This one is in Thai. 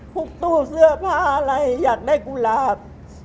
พวกตู้เสื้อผ้าอะไรอยากได้กุหลาบ